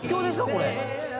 これ。